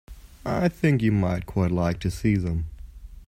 I think you might quite like to see them.